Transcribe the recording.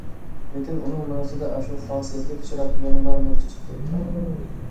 لېكىن ئۇنىڭ مېڭىسىدە ئاشۇ خاسىيەتلىك چىراغ يەنىلا نۇر چېچىپ تۇرۇپتۇ.